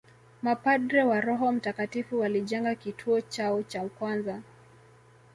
Mapadre wa Roho mtakatifu walijenga kituo chao cha kwanza